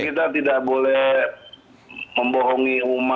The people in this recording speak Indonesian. kita tidak boleh membohongi umat